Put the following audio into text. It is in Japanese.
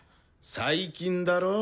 「最近」だろ？